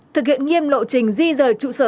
thực hiện nghiêm lộ trình di rời trụ sở